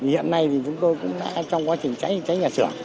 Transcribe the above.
hiện nay thì chúng tôi cũng đã trong quá trình cháy nhà xưởng